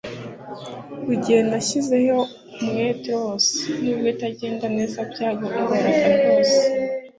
Buri gihe nashyizeho umwete wose, nubwo ibitagenda neza byangoraga rwose.